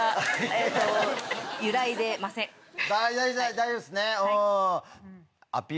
大丈夫ですね。